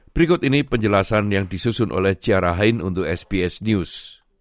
berikut ini penjelasan yang disusun oleh ciara hain untuk sbs news